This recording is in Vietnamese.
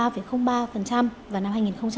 một mươi ba ba vào năm hai nghìn một mươi ba